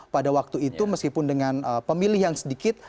pada waktu itu meskipun dengan pemilih yang sedikit